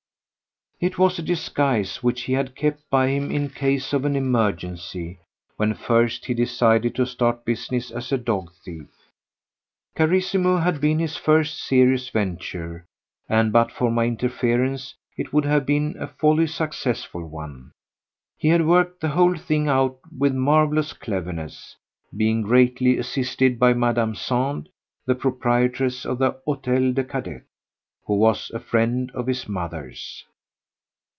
It was a disguise which he had kept by him in case of an emergency when first he decided to start business as a dog thief. Carissimo had been his first serious venture and but for my interference it would have been a wholly successful one. He had worked the whole thing out with marvellous cleverness, being greatly assisted by Madame Sand, the proprietress of the Hôtel des Cadets, who was a friend of his mother's.